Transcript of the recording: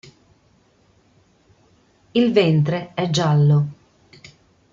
Il ventre è giallo.